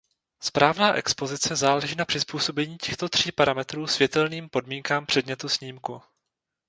Správná expozice záleží na přizpůsobení těchto tří parametrů světelným podmínkám předmětu snímku.